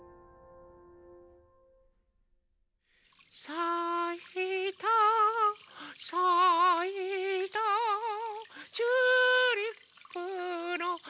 「さいたさいたチューリップのはなが」